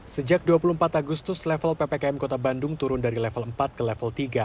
sejak dua puluh empat agustus level ppkm kota bandung turun dari level empat ke level tiga